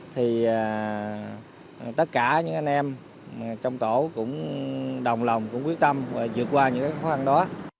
thì tất cả những anh em trong tổ cũng đồng lòng quyết tâm vượt qua những khó khăn đó